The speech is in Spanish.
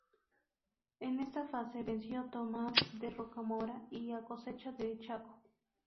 En esta fase venció a Tomás de Rocamora y a Cosecha de Chaco.